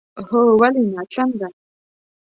هو، ولې نه، څنګه؟